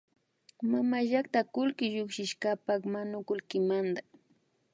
Mamallakta kullki llukshishkapak manukullkimanta